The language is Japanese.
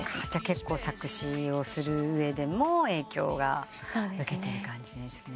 結構作詞をする上でも影響を受けてる感じですね。